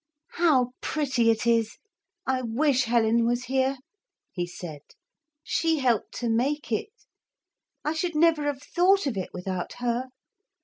'How pretty it is; I wish Helen was here,' he said; 'she helped to make it. I should never have thought of it without her.